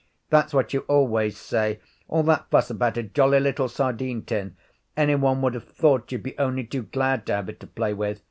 'That's what you always say. All that fuss about a jolly little sardine tin. Any one would have thought you'd be only too glad to have it to play with.